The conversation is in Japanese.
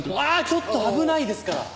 ちょっと危ないですから。